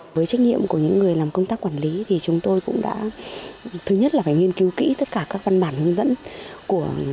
với trách nhiệm của những người làm công tác quản lý thì chúng tôi cũng đã thứ nhất là phải nghiên cứu kỹ tất cả các văn bản hướng dẫn của